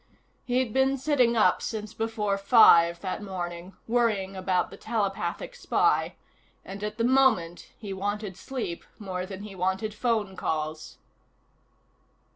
He'd been sitting up since before five that morning, worrying about the telepathic spy, and at the moment he wanted sleep more than he wanted phone calls.